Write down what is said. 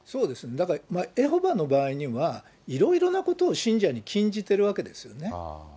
だからエホバの場合には、いろいろなことを信者に禁じてるわけですよね。